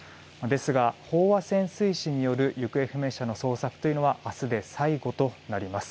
ですが飽和潜水士による行方不明者の捜索というのは明日で最後となります。